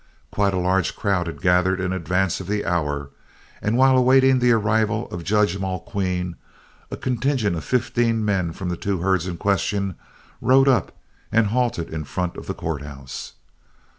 Quite a large crowd had gathered in advance of the hour, and while awaiting the arrival of Judge Mulqueen, a contingent of fifteen men from the two herds in question rode up and halted in front of the court house.